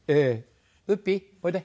ウッピーおいで。